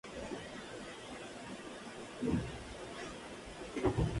La culebra de Esculapio italiana se alimenta de lagartos, mamíferos pequeños, y huevos.